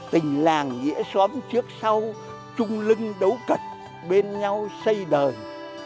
tình làng dĩa xóm trước sau chung lưng đấu cật bên nhau xây đời